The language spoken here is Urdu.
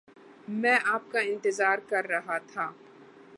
میں آپ کا انتظار کر رہا تھا۔